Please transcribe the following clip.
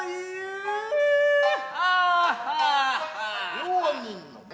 両人の者